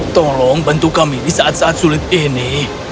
tolong bantu kami di saat saat sulit ini